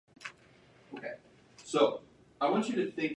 The town of Bella Coola is at its mouth on North Bentinck Arm.